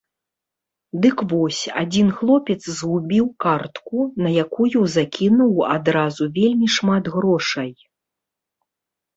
Дык вось, адзін хлопец згубіў картку, на якую закінуў адразу вельмі шмат грошай.